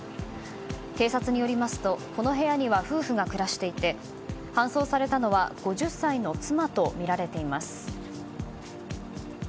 警察によりますとこの部屋には夫婦が暮らしていて搬送されたのは５０歳の妻とみられています。